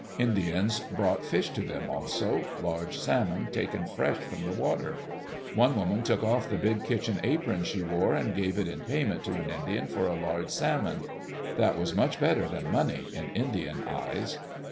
Indians brought fish to them also — large salmon, taken fresh from the water. One woman took off the big kitchen apron she wore and gave it in payment to an Indian for a large salmon. That was much better than money, in Indian eyes.